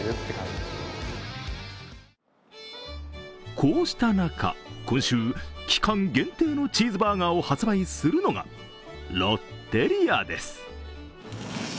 こうした中、今週期間限定のチーズバーガーを発売するのがロッテリアです。